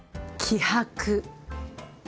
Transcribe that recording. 気迫？